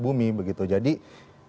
bagi kita kita juga nilai tukar rupiah